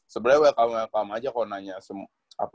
sebenernya kalo gak paham aja kalo nanya apa apa